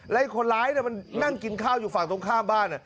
และคนร้ายมันนั่งกินข้าวอยู่ฝั่งตรงข้ามบ้าน